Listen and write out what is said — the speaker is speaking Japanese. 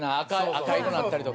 赤色になったりとか。